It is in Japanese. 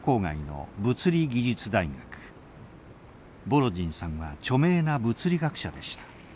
ボロジンさんは著名な物理学者でした。